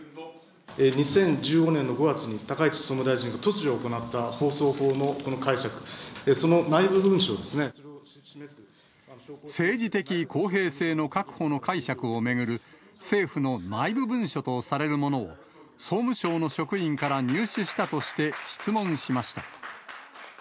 ２０１５年の５月に高市総務大臣が突如行った放送法のこの解政治的公平性の確保の解釈を巡る、政府の内部文書とされるものを、総務省の職員から入手したとして質問しました。